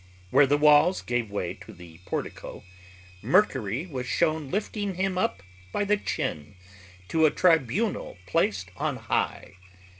Where the walls gave way to the portico, Mercury was shown lifting him up by the chin, to a tribunal placed on high.